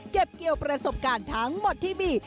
เก็บเกี่ยวประสบการณ์ทั้งหมดที่มี